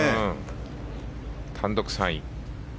単独３位。